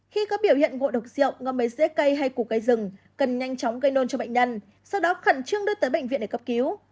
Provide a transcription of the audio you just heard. khi có biểu hiện ngộ độc rượu ngâm máy dễ cây hay củ cây rừng cần nhanh chóng gây nôn cho bệnh nhân sau đó khẩn trương đưa tới bệnh viện để cấp cứu